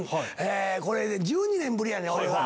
これ１２年ぶりやねん俺が。